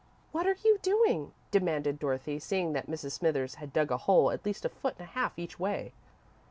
"What are you doing?" demanded Dorothy, seeing that Mrs. Smithers had dug a hole at least a foot and a half each way.